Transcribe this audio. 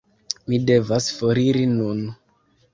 Mi devas foriri nun.